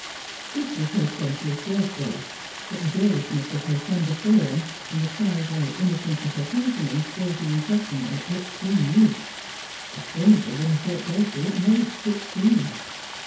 This was her twentieth birthday, but the girlishness of her slender form, and the childlike innocence of her countenance, gave the impression of extreme youth. A stranger would have thought Dulcie at most sixteen.